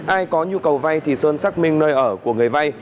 ai có nhu cầu vai thì sơn xác minh nơi ở của người vai